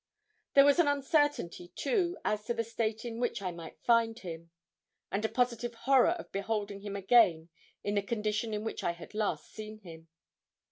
There was an uncertainty, too, as to the state in which I might find him, and a positive horror of beholding him again in the condition in which I had last seen him.